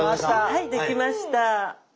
はい出来ました！